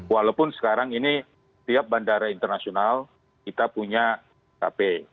walaupun sekarang ini tiap bandara internasional kita punya kp